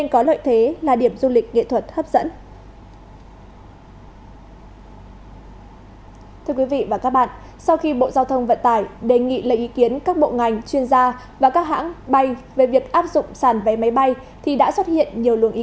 cảm ơn quý vị đã quan tâm theo dõi